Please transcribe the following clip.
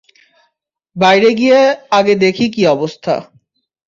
বাইরে গিয়ে আগে দেখি কী অবস্থা।